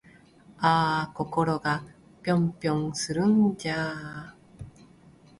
あぁ〜心がぴょんぴょんするんじゃぁ〜